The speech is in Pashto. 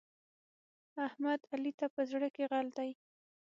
احمد؛ علي ته په زړه کې غل دی.